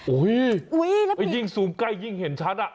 ยิ่งซูมใกล้ยิ่งเห็นชัด